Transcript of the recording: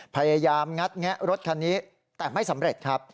พยายามงัดแงะรถคันนี้แต่ไม่สำเร็จครับ